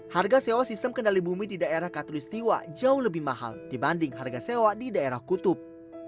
harga sewa sistem kendali bumi di daerah katolistiwa jauh lebih mahal dibanding harga sewa di daerah kutub